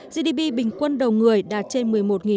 gdp bình quân đầu người đạt trên một mươi một usd đứng thứ sáu